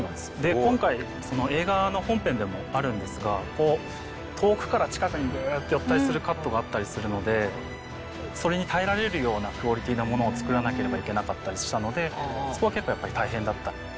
今回映画の本編でもあるんですが遠くから近くにグーッと寄ったりするカットがあったりするのでそれに耐えられるようなクオリティーのものを作らなければいけなかったりしたのでそこは結構やっぱり大変だった。